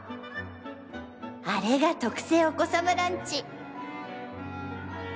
あれが「特製お子さまランチ」。